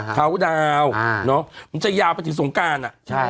เทาดาวมันจะยาวไปถึงสงกร้าน